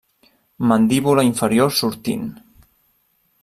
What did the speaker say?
Mandíbula inferior sortint.